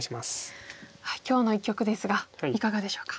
今日の一局ですがいかがでしょうか？